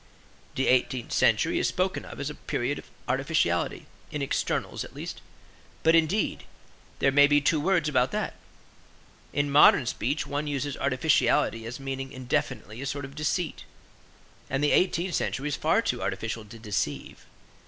The eighteenth century is spoken of as the period of artificiality, in externals at least; but, indeed, there may be two words about that. In modern speech one uses artificiality as meaning indefinitely a sort of deceit; and the eighteenth century was far too artificial to deceive.